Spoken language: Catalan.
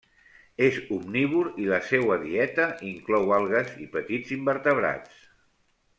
És omnívor i la seua dieta inclou algues i petits invertebrats.